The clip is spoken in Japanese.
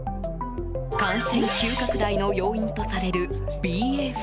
感染急拡大の要因とされるＢＡ．５。